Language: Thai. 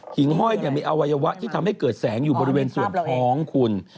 ิงห้อยมีอวัยวะที่ทำให้เกิดแสงอยู่บริเวณส่วนท้องคุณ